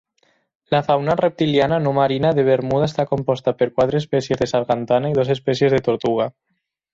La fauna reptiliana no marina de Bermuda està composta per quatre espècies de sargantana i dos espècies de tortuga.